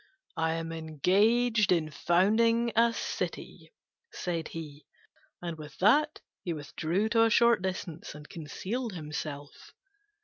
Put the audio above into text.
"I am engaged in founding a city," said he, and with that he withdrew to a short distance and concealed himself.